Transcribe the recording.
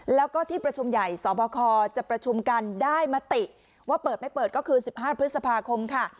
แล้วก็ที่ประชุมใหญ่สบคจะประชุมกันได้มติว่าเปิดไม่เปิดก็คือ๑๕พฤษภาคมค่ะ